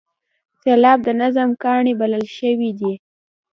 سېلاب د نظم کاڼی بلل شوی دی.